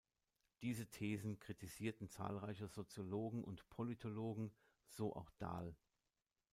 Diese Thesen kritisierten zahlreiche Soziologen und Politologen, so auch Dahl.